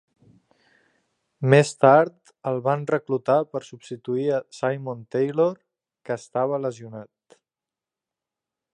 Més tard el van reclutar per substituir a Simon Taylor, que estava lesionat.